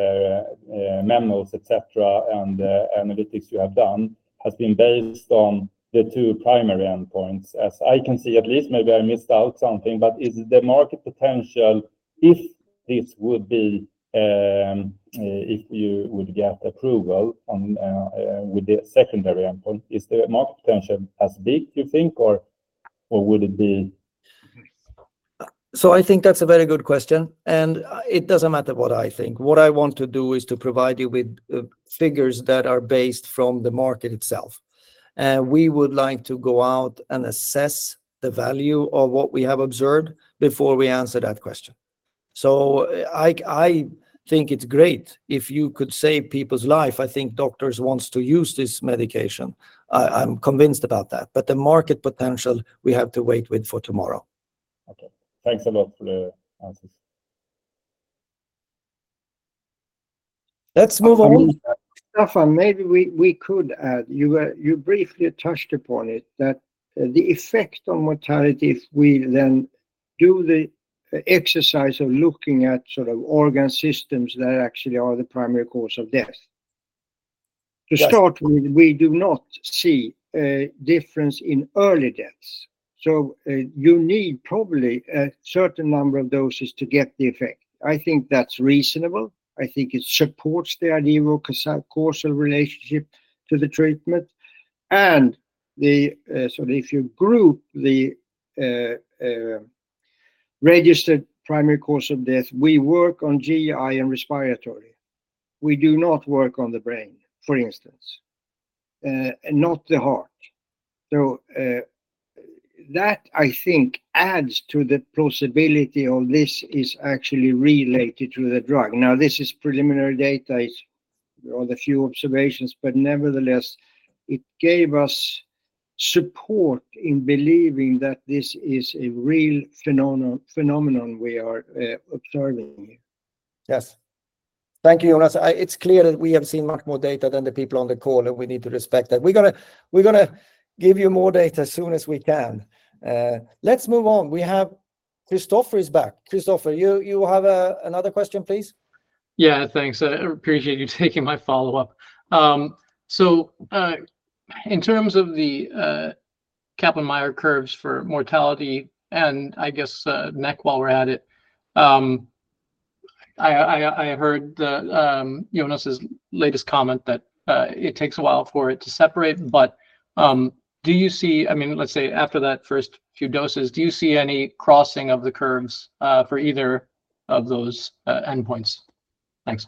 Speaker 7: memos, et cetera, and, analytics you have done has been based on the two primary endpoints as I can see at least. Maybe I missed out something, but is the market potential if this would be, if you would get approval on, with the secondary endpoint, is the market potential as big, you think, or, would it be-
Speaker 1: So I think that's a very good question, and it doesn't matter what I think. What I want to do is to provide you with figures that are based from the market itself. And we would like to go out and assess the value of what we have observed before we answer that question. So I think it's great if you could save people's life. I think doctors wants to use this medication. I'm convinced about that, but the market potential, we have to wait with for tomorrow.
Speaker 7: Okay. Thanks a lot for the answers.
Speaker 1: Let's move on.
Speaker 3: Staffan, maybe we could add, you briefly touched upon it, that the effect on mortality if we then do the exercise of looking at sort of organ systems that actually are the primary cause of death.
Speaker 1: Right.
Speaker 3: To start with, we do not see a difference in early deaths, so, you need probably a certain number of doses to get the effect. I think that's reasonable. I think it supports the idea of a causal relationship to the treatment and the. So if you group the registered primary cause of death, we work on GI and respiratory. We do not work on the brain, for instance, not the heart. So, that I think adds to the plausibility of this is actually related to the drug. Now, this is preliminary data. It's only a few observations, but nevertheless, it gave us support in believing that this is a real phenomenon we are observing here.
Speaker 1: Yes. Thank you, Jonas. It's clear that we have seen much more data than the people on the call, and we need to respect that. We're gonna give you more data as soon as we can. Let's move on. We have... Christopher is back. Christopher, you have another question, please?
Speaker 4: Yeah, thanks. I appreciate you taking my follow-up. So, in terms of the Kaplan-Meier curves for mortality and I guess, NEC while we're at it, I heard the Jonas's latest comment that it takes a while for it to separate, but, do you see... I mean, let's say after that first few doses, do you see any crossing of the curves, for either of those, endpoints? Thanks.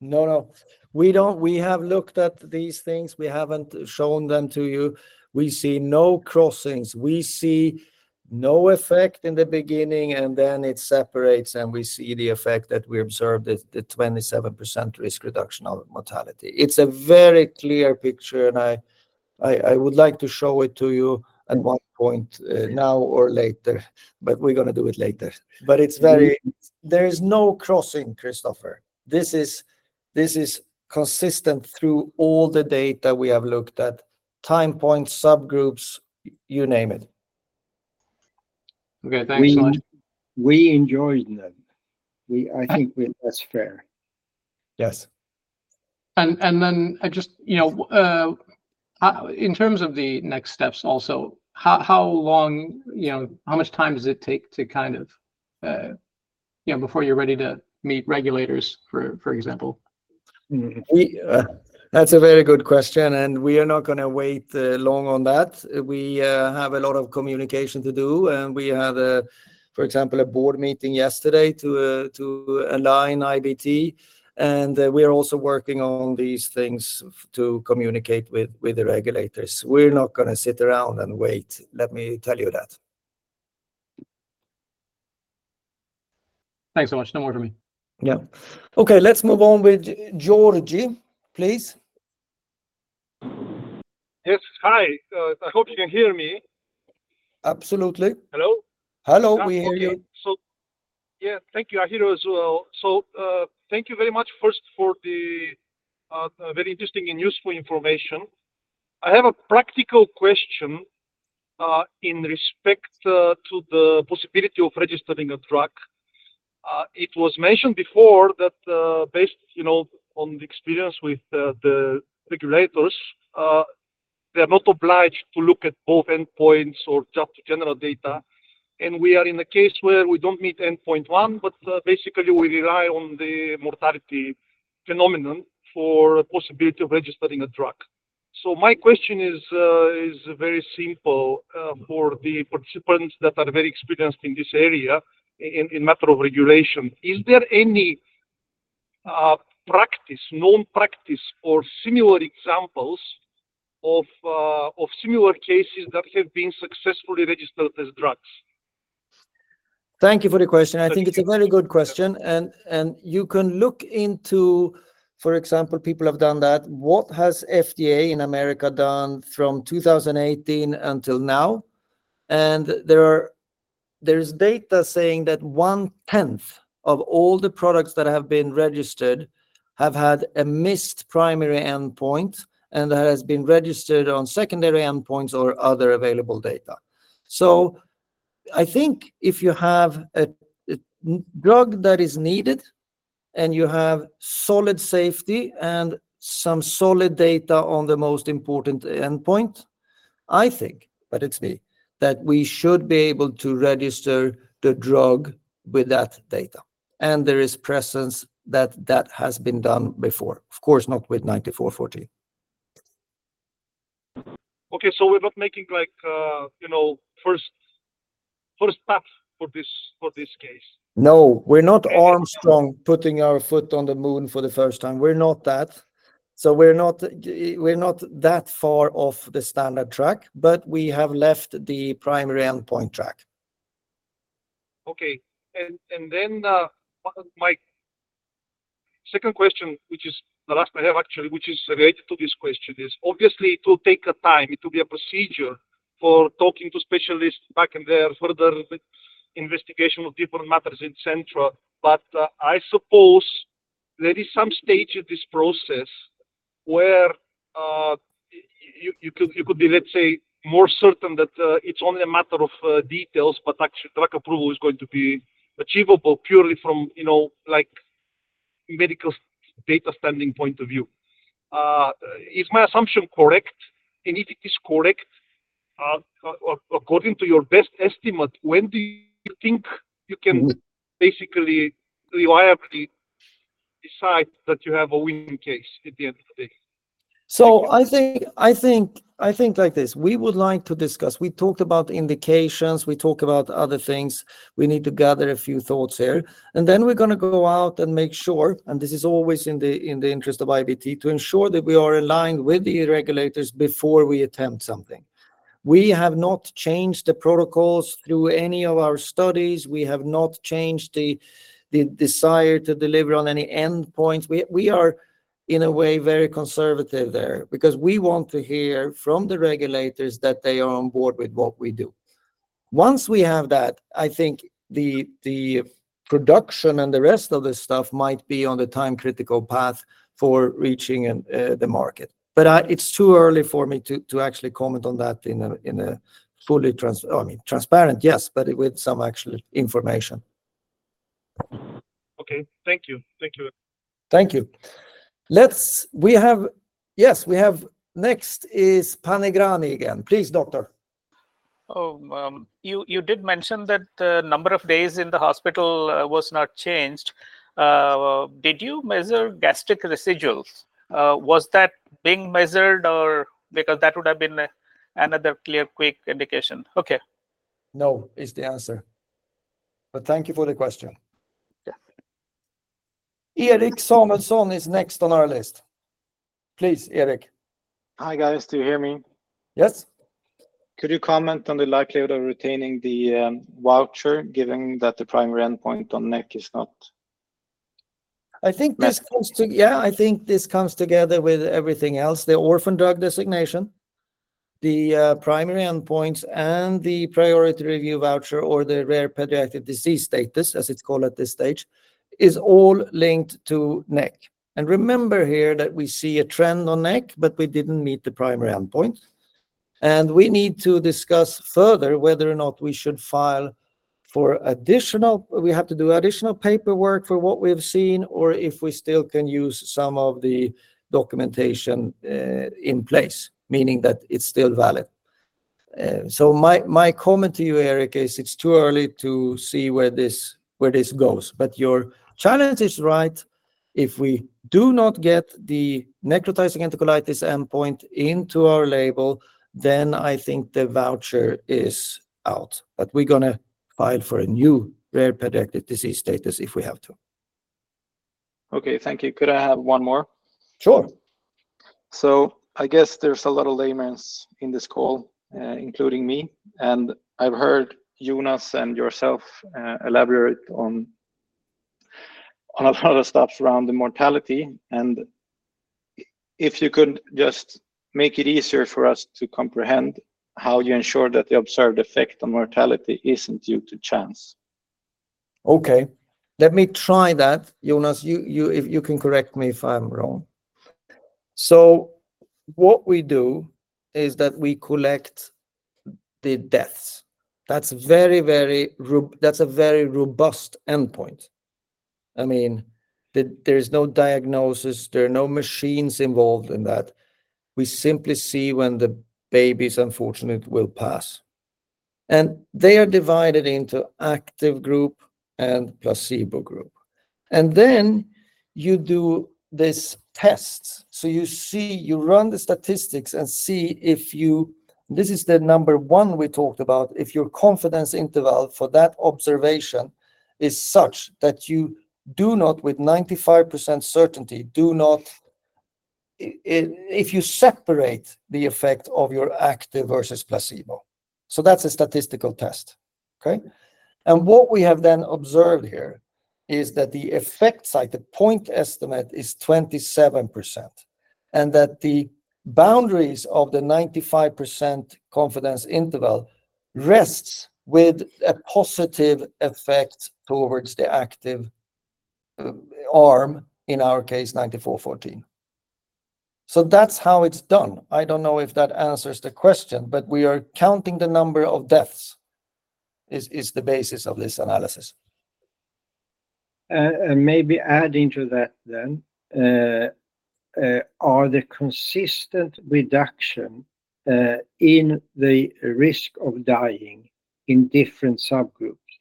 Speaker 1: No, no, we don't. We have looked at these things. We haven't shown them to you. We see no crossings. We see no effect in the beginning, and then it separates, and we see the effect that we observed at the 27% risk reduction of mortality. It's a very clear picture, and I would like to show it to you at one point, now or later, but we're gonna do it later. But it's very. There is no crossing, Christopher. This is consistent through all the data we have looked at, time points, subgroups, you name it.
Speaker 4: Okay, thanks a lot.
Speaker 3: We enjoyed them. I think that's fair.
Speaker 1: Yes.
Speaker 4: I just, you know, in terms of the next steps also, how long, you know, how much time does it take to kind of, you know, before you're ready to meet regulators, for example?
Speaker 1: That's a very good question, and we are not gonna wait long on that. We have a lot of communication to do, and we had, for example, a board meeting yesterday to align IBT, and we are also working on these things to communicate with the regulators. We're not gonna sit around and wait, let me tell you that.
Speaker 4: Thanks so much. No more from me.
Speaker 1: Yeah. Okay, let's move on with Georgie, please.
Speaker 8: Yes. Hi. I hope you can hear me.
Speaker 1: Absolutely.
Speaker 8: Hello?
Speaker 1: Hello, we hear you.
Speaker 8: So, yeah, thank you. I hear you as well. So, thank you very much, first, for the, very interesting and useful information. I have a practical question, in respect, to the possibility of registering a drug. It was mentioned before that, based, you know, on the experience with, the regulators, they are not obliged to look at both endpoints or just general data, and we are in a case where we don't meet endpoint one, but, basically, we rely on the mortality phenomenon for possibility of registering a drug. So my question is very simple. For the participants that are very experienced in this area, in matter of regulation, is there practice, known practice or similar examples of similar cases that have been successfully registered as drugs?
Speaker 1: Thank you for the question. I think it's a very good question, and you can look into, for example, people have done that. What has FDA in America done from 2018 until now? And there's data saying that one-tenth of all the products that have been registered have had a missed primary endpoint, and that has been registered on secondary endpoints or other available data. So I think if you have a drug that is needed, and you have solid safety and some solid data on the most important endpoint, I think, but it's me, that we should be able to register the drug with that data. And there is precedent that that has been done before, of course not with 9414.
Speaker 8: Okay, so we're not making like, you know, first path for this case?
Speaker 1: No, we're not Armstrong putting our foot on the moon for the first time. We're not that. So we're not that far off the standard track, but we have left the primary endpoint track.
Speaker 8: Okay. And then, my second question, which is the last I have actually, which is related to this question, is obviously it will take a time, it will be a procedure for talking to specialists back in there, further investigation of different matters in Central. But, I suppose there is some stage of this process where you could be, let's say, more certain that it's only a matter of details, but actually, drug approval is going to be achievable purely from, you know, like, medical data standpoint of view. Is my assumption correct? And if it is correct, according to your best estimate, when do you think you can basically reliably decide that you have a winning case at the end of the day?
Speaker 1: I think like this, we would like to discuss. We talked about indications, we talk about other things. We need to gather a few thoughts here, and then we're gonna go out and make sure, and this is always in the interest of IBT, to ensure that we are aligned with the regulators before we attempt something. We have not changed the protocols through any of our studies. We have not changed the desire to deliver on any end points. We are, in a way, very conservative there because we want to hear from the regulators that they are on board with what we do. Once we have that, I think the production and the rest of this stuff might be on a time-critical path for reaching and the market. But it's too early for me to actually comment on that in a fully transparent, yes, but with some actual information.
Speaker 8: Okay. Thank you. Thank you.
Speaker 1: Thank you. Next is Panigrahi again. Please, Doctor.
Speaker 6: Oh, you did mention that the number of days in the hospital was not changed. Did you measure gastric residuals? Was that being measured, or because that would have been another clear, quick indication. Okay.
Speaker 1: No, is the answer. But thank you for the question.
Speaker 6: Yeah.
Speaker 1: Erik Samuelsson is next on our list. Please, Erik.
Speaker 9: Hi, guys. Do you hear me?
Speaker 1: Yes.
Speaker 9: Could you comment on the likelihood of retaining the voucher, given that the primary endpoint on NEC is not?
Speaker 1: I think this comes to-
Speaker 9: Met?
Speaker 1: Yeah, I think this comes together with everything else, the Orphan Drug Designation, the primary endpoints, and the Priority Review Voucher, or the rare pediatric disease status, as it's called at this stage, is all linked to NEC. And remember here that we see a trend on NEC, but we didn't meet the primary endpoint. And we need to discuss further whether or not we should file for additional. We have to do additional paperwork for what we have seen, or if we still can use some of the documentation in place, meaning that it's still valid. So my comment to you, Erik, is it's too early to see where this goes. But your challenge is right. If we do not get the necrotizing enterocolitis endpoint into our label, then I think the voucher is out. But we're gonna file for a new rare pediatric disease status if we have to.
Speaker 9: Okay, thank you. Could I have one more?
Speaker 1: Sure.
Speaker 9: I guess there's a lot of laymen in this call, including me, and I've heard Jonas and yourself elaborate on a lot of stuff around the mortality, and if you could just make it easier for us to comprehend how you ensure that the observed effect on mortality isn't due to chance.
Speaker 1: Okay, let me try that. Jonas, you can correct me if I'm wrong. So what we do is that we collect the deaths. That's very robust endpoint. I mean, there is no diagnosis, there are no machines involved in that. We simply see when the babies, unfortunately, will pass. And they are divided into active group and placebo group. And then you do these tests. So you see, you run the statistics and see if. This is the number one we talked about. If your confidence interval for that observation is such that you do not, with 95% certainty, if you separate the effect of your active versus placebo. So that's a statistical test, okay? What we have then observed here is that the effect size, the point estimate, is 27%, and that the boundaries of the 95% confidence interval rests with a positive effect towards the active arm, in our case, IBP-9414. So that's how it's done. I don't know if that answers the question, but we are counting the number of deaths is the basis of this analysis.
Speaker 3: And maybe adding to that, then, are the consistent reduction in the risk of dying in different subgroups?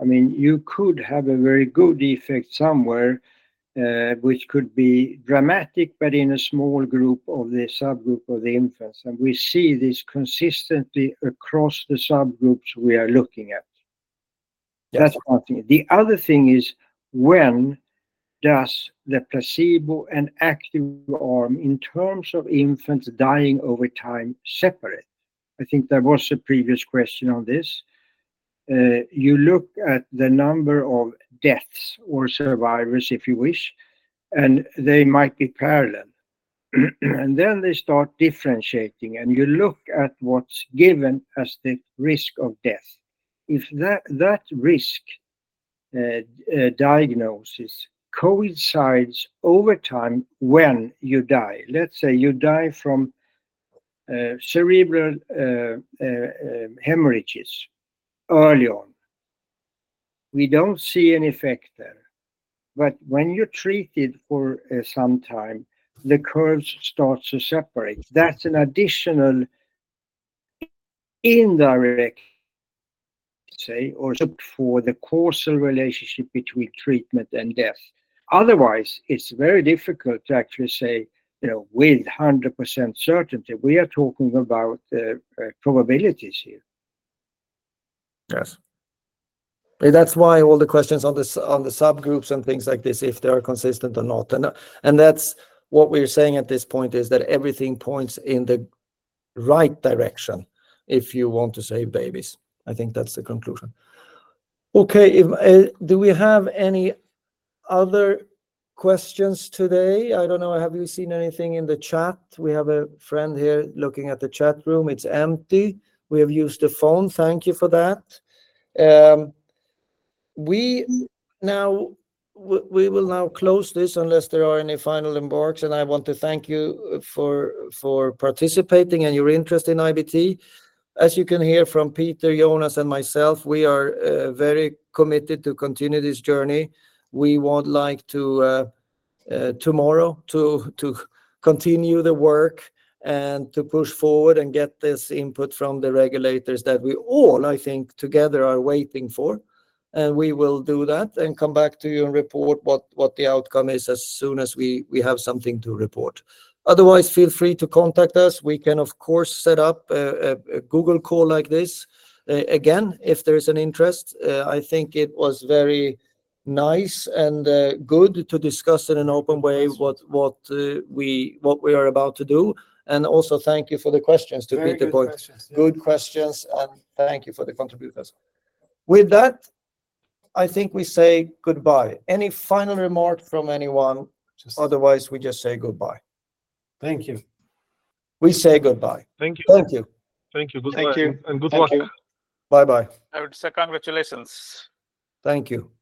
Speaker 3: I mean, you could have a very good effect somewhere, which could be dramatic, but in a small group of the subgroup of the infants, and we see this consistently across the subgroups we are looking at.
Speaker 1: Yes.
Speaker 3: That's one thing. The other thing is, when does the placebo and active arm, in terms of infants dying over time, separate? I think there was a previous question on this. You look at the number of deaths or survivors, if you wish, and they might be parallel, and then they start differentiating, and you look at what's given as the risk of death. If that, that risk, diagnosis coincides over time when you die, let's say you die from intraventricular hemorrhages early on, we don't see an effect there. But when you're treated for some time, the curves start to separate. That's an additional indirect, say, or for the causal relationship between treatment and death. Otherwise, it's very difficult to actually say, you know, with 100% certainty. We are talking about probabilities here.
Speaker 1: Yes. And that's why all the questions on the subgroups and things like this, if they are consistent or not, and, and that's what we're saying at this point, is that everything points in the right direction if you want to save babies. I think that's the conclusion. Okay, if, do we have any other questions today? I don't know. Have you seen anything in the chat? We have a friend here looking at the chat room. It's empty. We have used the phone. Thank you for that. We will now close this unless there are any final remarks, and I want to thank you for participating and your interest in IBT. As you can hear from Peter, Jonas, and myself, we are very committed to continue this journey. We would like to tomorrow to continue the work and to push forward and get this input from the regulators that we all, I think, together, are waiting for. And we will do that and come back to you and report what the outcome is as soon as we have something to report. Otherwise, feel free to contact us. We can, of course, set up a Google call like this again, if there is an interest. I think it was very nice and good to discuss in an open way-
Speaker 3: Yes...
Speaker 1: what we are about to do. And also, thank you for the questions, to Peter's point.
Speaker 3: Very good questions.
Speaker 1: Good questions, and thank you for the contributors. With that, I think we say goodbye. Any final remark from anyone? Otherwise, we just say goodbye.
Speaker 3: Thank you.
Speaker 1: We say goodbye.
Speaker 10: Thank you.
Speaker 1: Thank you.
Speaker 10: Thank you. Good luck.
Speaker 1: Thank you.
Speaker 10: Good luck.
Speaker 1: Thank you. Bye-bye.
Speaker 10: I would say congratulations.
Speaker 1: Thank you.
Speaker 10: Thanks.